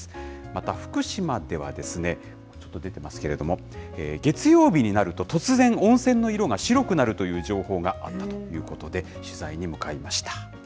また福島では、ちょっと出てますけれども、月曜日になると突然、温泉の色が白くなるという情報があったということで、取材に向かいました。